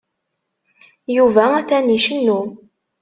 Yuba atan icennu.